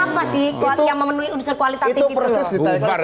apa sih yang memenuhi unsur kualitatif itu